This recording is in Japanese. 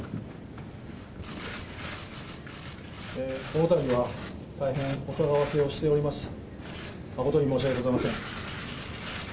このたびは、大変お騒がせをしておりまして、誠に申し訳ございません。